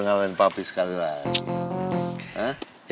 tidak negara nya